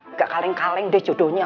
nggak kaleng kaleng deh jodohnya